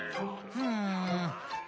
うん。